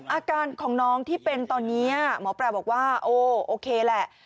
อาการของน้องที่เป็นตอนนี้หมอปลาบอกว่าโอ้โอเคแหละ